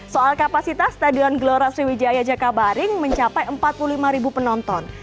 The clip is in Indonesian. soal kapasitas stadion gelora sriwijaya jakabaring mencapai empat puluh lima ribu penonton